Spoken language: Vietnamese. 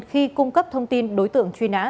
khi cung cấp thông tin đối tượng chuyên án